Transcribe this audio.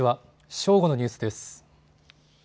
正午のニュースです。